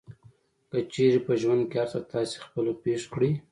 که چېرې په ژوند کې هر څه تاسې خپله پېښ کړئ.